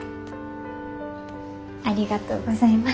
ありがとうございます。